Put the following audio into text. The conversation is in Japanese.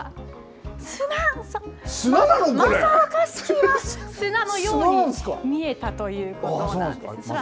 正岡子規は砂のように見えたということなんです。